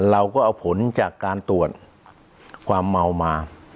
เราก็เอาผลจากการตรวจความเมามา